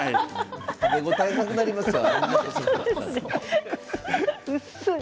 食べ応えなくなりますわ。